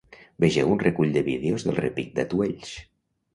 Vegeu un recull de vídeos del repic d’atuells.